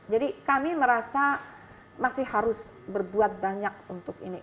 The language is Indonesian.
jadi kami merasa masih harus berbuat banyak untuk ini